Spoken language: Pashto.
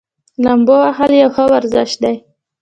لامبو وهل یو ښه ورزش دی.